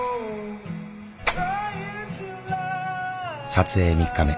撮影３日目。